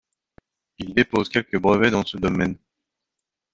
Il dépose quelques brevets dans ce domaine.